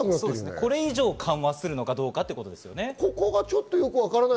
これ以上、緩和するのかどうかっていうことですよね。